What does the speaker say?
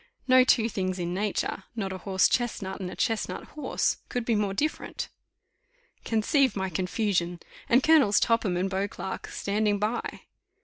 No two things in nature, not a horse chestnut and a chestnut horse, could be more different. Conceive my confusion! and Colonels Topham and Beauclerk standing by.